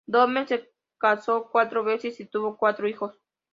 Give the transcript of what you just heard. Downey se casó cuatro veces y tuvo cuatro hijos.